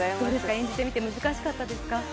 演じてみて難しかったですか？